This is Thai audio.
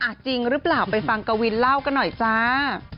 จริงหรือเปล่าไปฟังกวินเล่ากันหน่อยจ้า